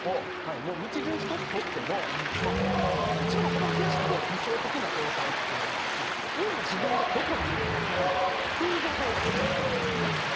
道順１つとっても一番お化け屋敷で理想的な状態というのは今、自分がどこにいるか分からない状態を作り出すことなんです。